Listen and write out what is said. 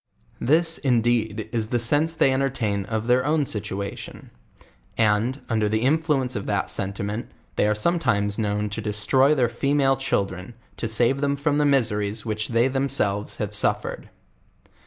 This, indeed is the sense they entertain of their own situation; and, under the influence of that sentiment, they are sometimes known to cbstroy their female children, to save them from the mis eries which they themselves have suffered.